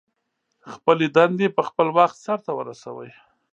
خپلې دندې په خپل وخت سرته ورسوئ.